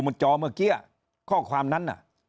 มันจอเมื่อกี้ข้อความนั้น